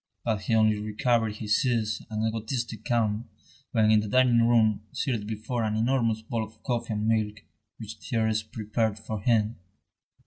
But he only recovered his ease and egotistic calm when in the dining room, seated before an enormous bowl of coffee and milk, which Thérèse prepared for him.